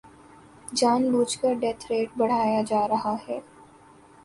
جان بوجھ کر death rate بڑھایا جا رہا ہے